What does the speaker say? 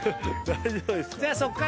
大丈夫ですか。